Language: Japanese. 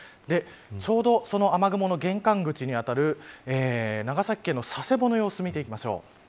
ちょうどその雨雲の玄関口に当たる長崎県の佐世保の様子を見ていきましょう。